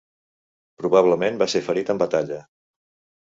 Probablement va ser ferit en batalla.